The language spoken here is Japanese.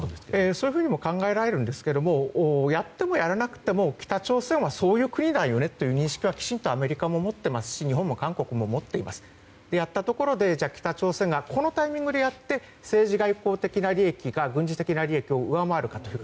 そういうふうにも考えられるんですがやってもやらなくても北朝鮮はそういう国だよねという認識はきちんとアメリカも持っていますし日本も韓国も持っていますので北朝鮮がこのタイミングでやって政治・外交的な利益が軍事的な利益を上回るかという。